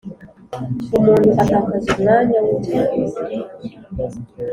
Umuntu atakaza umwanya w ubuyobozi